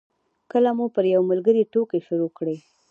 کله مو پر یو ملګري ټوکې شروع کړې.